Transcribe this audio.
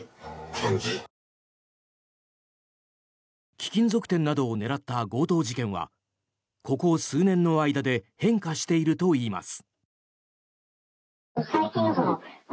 貴金属店などを狙った強盗事件はここ数年の間で変化しているといいます。